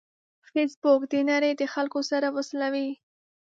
فېسبوک د نړۍ د خلکو سره وصلوي